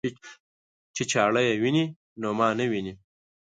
چې چاړه ويني نو ما نه ويني.